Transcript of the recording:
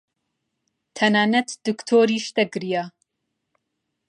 تەنانەت دکتۆریش دەگریا.